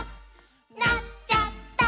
「なっちゃった！」